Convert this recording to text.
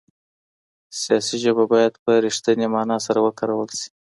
سياسي ژبه بايد په رښتني مانا سره وکارول سي.